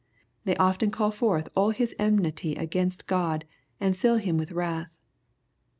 They often call forth anhia enmity against God, and fill him with wrath.